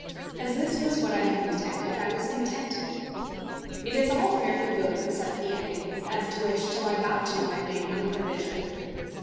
As this was what I had intended, I was contented. It is all fairly good except the ending, as to which till I got to it I made no provision.